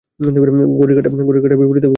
ঘড়ির কাটার বিপরীতাভিমুখে।